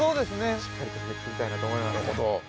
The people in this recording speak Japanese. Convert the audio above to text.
◆しっかり締めくくりたいなと思います。